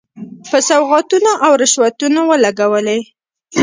په سوغاتونو او رشوتونو ولګولې.